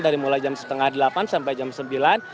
dari mulai jam setengah delapan sampai jam sembilan